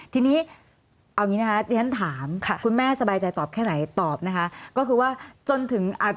ทีนี้เอาอย่างงี้นะครับ